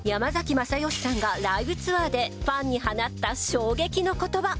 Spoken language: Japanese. まさよしさんがライブツアーでファンに放った衝撃の言葉。